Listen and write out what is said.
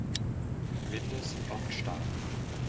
Winde sind oft stark.